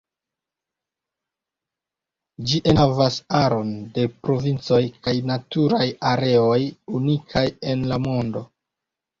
Ĝi enhavas aron de provincoj kaj naturaj areoj unikaj en la mondo.